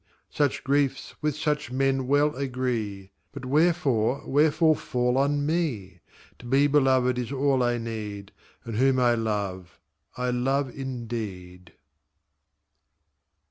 Such griefs with such men well agree, But wherefore, wherefore fall on me ? To be beloved is all I need, And whom I love, I love indeed.